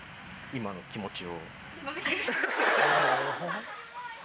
今の気持ち？